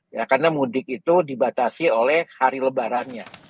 ya karena mudik itu dibatasi oleh hari lebarannya